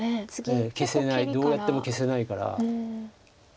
消せないどうやっても消せないから。